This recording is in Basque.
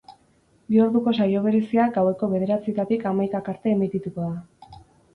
Bi orduko saio berezia gaueko bederatzietatik hamaikak arte emitituko da.